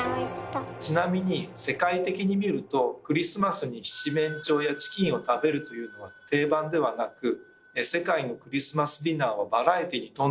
ちなみに世界的に見るとクリスマスに七面鳥やチキンを食べるというのは定番ではなく世界のクリスマスディナーはバラエティーに富んでいるんです。